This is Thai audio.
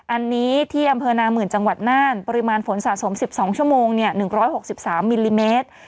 อันนี้ที่อำเภอนามื่นจังหวัดน่านปริมาณฝนสะสม๑๒ชั่วโมง๑๖๓มิลลิเมตร